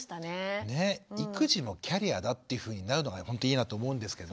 育児もキャリアだっていうふうになるのがほんといいなと思うんですけど。